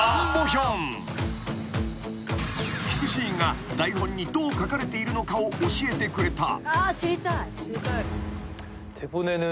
［キスシーンが台本にどう書かれているのかを教えてくれた］